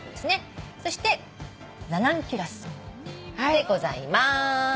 そしてラナンキュラスでございます。